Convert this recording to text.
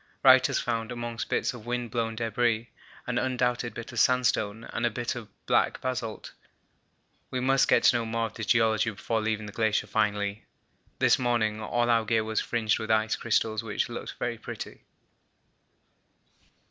Wright has found, amongst bits of wind blown debris, an undoubted bit of sandstone and a bit of black basalt. We must get to know more of the geology before leaving the glacier finally. This morning all our gear was fringed with ice crystals which looked very pretty.